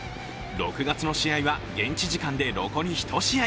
６月の試合は、現地時間で残り１試合。